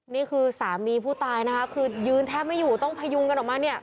นี่คือสามีผู้ตายนะคะคือยืนแทบไม่อยู่ต้องพยุงกันออกมาเนี่ย